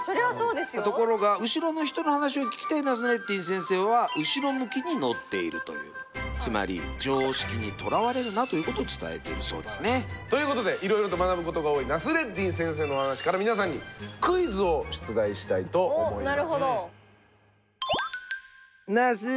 ところが後ろの人の話を聞きたいナスレッディン先生はつまり常識にとらわれるなということを伝えているそうですね。ということでいろいろと学ぶことが多いナスレッディン先生のお話から皆さんにクイズを出題したいと思います。